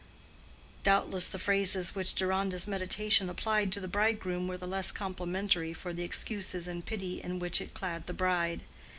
Doubtless the phrases which Deronda's meditation applied to the bridegroom were the less complimentary for the excuses and pity in which it clad the bride.